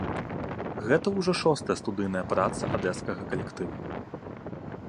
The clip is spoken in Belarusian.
Гэта ўжо шостая студыйная праца адэскага калектыву.